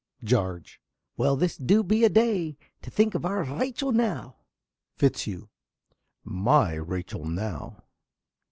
~Jarge.~ Well, this du be a day! To think of our Rachel now! ~Fitzhugh.~ My Rachel now!